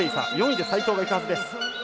４位で齋藤がいたはずです。